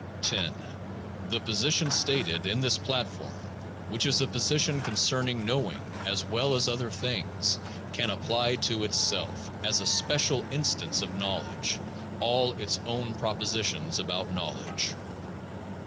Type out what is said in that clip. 10. The position stated in this platform, which is a position con cerning knowing as well as other things, can apply to itself, as a special instance of knowledge, all its own propositions about knowl edge.